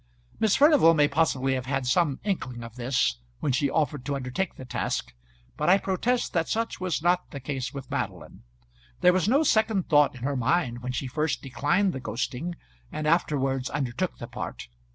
Miss Furnival may possibly have had some inkling of this when she offered to undertake the task, but I protest that such was not the case with Madeline. There was no second thought in her mind when she first declined the ghosting, and afterwards undertook the part.